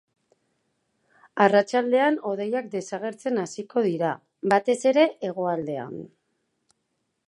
Arratsaldean hodeiak desagertzen hasiko dira, batez ere hegoaldean.